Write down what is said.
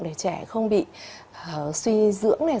để trẻ không bị suy dưỡng này